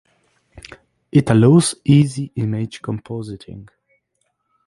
It allows easy image compositing.